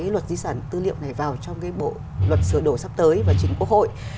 luật di sản tư liệu này vào trong bộ luật sửa đổi sắp tới và chính quốc hội